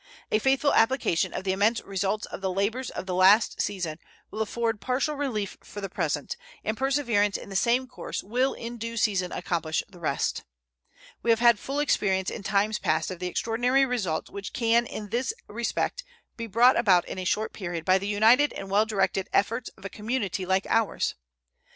A faithful application of the immense results of the labors of the last season will afford partial relief for the present, and perseverance in the same course will in due season accomplish the rest. We have had full experience in times past of the extraordinary results which can in this respect be brought about in a short period by the united and well directed efforts of a community like ours.